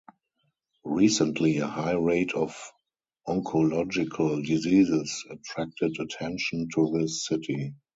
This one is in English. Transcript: Recently, a high rate of oncological diseases attracted attention to this city.